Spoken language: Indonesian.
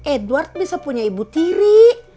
edward bisa punya ibu tiri